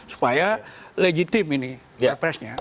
supaya legitim ini repressnya